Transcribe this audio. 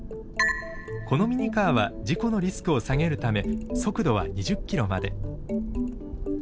このミニカーは事故のリスクを下げるため速度は２０ｋｍまで。